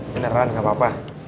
beneran gak apa apa